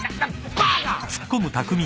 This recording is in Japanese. バカ！